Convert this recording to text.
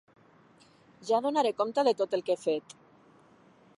Ja donaré compte de tot el que he fet.